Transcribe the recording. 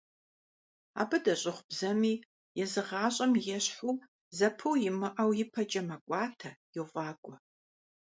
Абы дэщӀыгъу бзэми езы гъащӀэм ещхьу зэпыу имыӀэу ипэкӀэ мэкӀуатэ, йофӀакӀуэ.